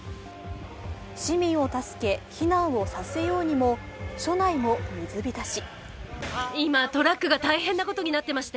市民を助け避難をさせようにも署内も水浸し。